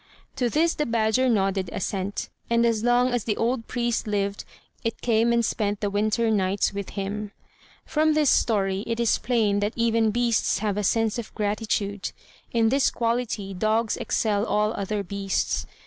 To this the badger nodded assent; and as long as the old priest lived, it came and spent the winter nights with him. From this story, it is plain that even beasts have a sense of gratitude: in this quality dogs excel all other beasts.